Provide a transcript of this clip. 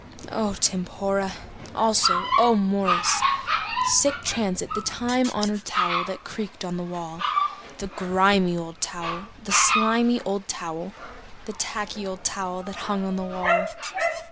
O tempora! Also, O mores! Sic transit The time honored towel that creaked on the wall. The grimy old towel, the slimy old towel, The tacky old towel that hung on the wall.